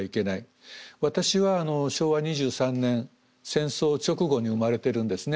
私は昭和２３年戦争直後に生まれてるんですね。